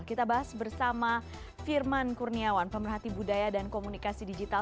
kita bahas bersama firman kurniawan pemerhati budaya dan komunikasi digital